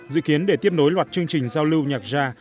dự kiến để tiếp nối loạt chương trình giao lưu nhạc gia